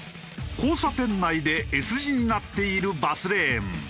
交差点内でＳ字になっているバスレーン。